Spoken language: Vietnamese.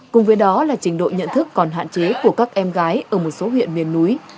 cùng với đó là trình độ nhận thức còn hạn chế của các em gái ở một số huyện miền núi